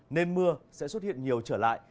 nên mưa sẽ xuất hiện nhiều trở lại